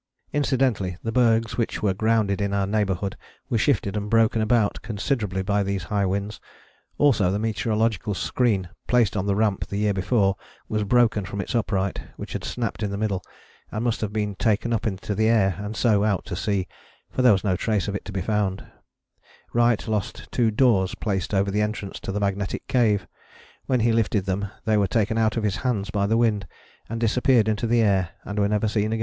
" Incidentally the bergs which were grounded in our neighbourhood were shifted and broken about considerably by these high winds: also the meteorological screen placed on the Ramp the year before was broken from its upright, which had snapped in the middle, and must have been taken up into the air and so out to sea, for there was no trace of it to be found: Wright lost two doors placed over the entrance to the magnetic cave: when he lifted them they were taken out of his hands by the wind, and disappeared into the air and were never seen again.